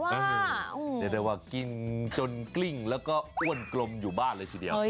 เรียกได้ว่ากินจนกลิ้งแล้วก็อ้วนกลมอยู่บ้านเลยทีเดียว